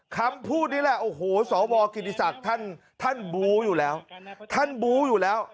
คำพูดนี้แหละโอ้โหสวกิติศักดิ์ท่านบู๋อยู่แล้ว